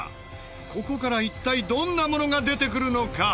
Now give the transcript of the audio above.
ここから一体どんなものが出てくるのか？